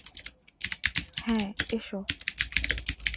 হ্যাঁ, এসো।